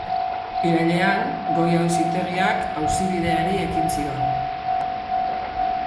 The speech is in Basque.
Irailean, goi auzitegiak auzibideari ekin zion.